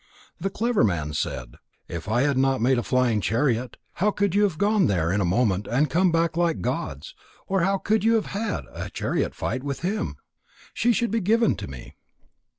The clever man said: "If I had not made a flying chariot, how could you have gone there in a moment and come back like the gods, or how could you have had a chariot fight with him? She should be given to me."